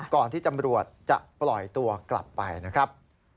ก่อนที่ตำรวจจะปล่อยตัวกลับไปนะครับ